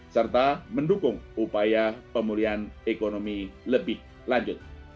serta mendukung upaya pemulihan ekonomi lebih lanjut